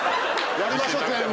やりましょう全員で。